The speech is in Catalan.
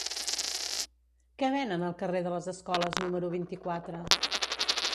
Què venen al carrer de les Escoles número vint-i-quatre?